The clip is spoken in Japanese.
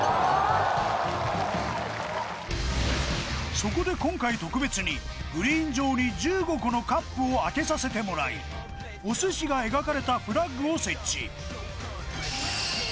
そこで今回特別にグリーン上に１５個のカップをあけさせてもらいお寿司が描かれたフラッグを設置